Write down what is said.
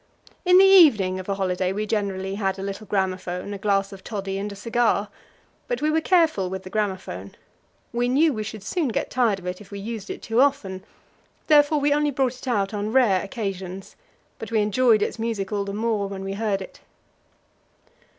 In the evening of a holiday we generally had a little gramophone, a glass of toddy, and a cigar; but we were careful with the gramophone. We knew we should soon get tired of it if we used it too often; therefore we only brought it out on rare occasions, but we enjoyed its music all the more when we heard it.